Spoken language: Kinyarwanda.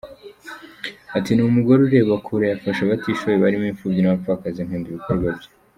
Ati “Ni umugore ureba kure! Afasha abatishoboye barimo impfubyi n’abapfakazi! Nkunda ibikorwa bye.